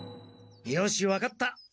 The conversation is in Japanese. よし分かった！